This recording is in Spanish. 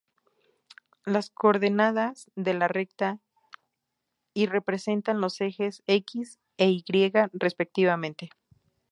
Las coordenadas de la recta y representan los ejes "x" e "y" respectivamente.